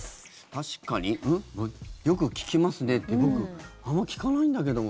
確かによく聞きますねって僕、あんま聞かないんだけども。